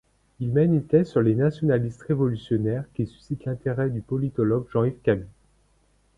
Il mène une thèse sur les nationalistes-révolutionnaires qui suscite l'intérêt du politologue Jean-Yves Camus.